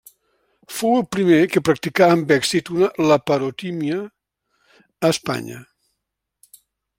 Fou el primer que practicà amb èxit una laparotomia a Espanya.